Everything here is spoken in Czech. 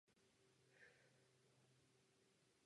Od té doby prošel stadion několika rekonstrukcemi a přestavbami.